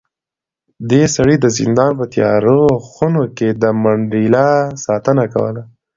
دې سړي د زندان په تیارو خونو کې د منډېلا ساتنه کوله.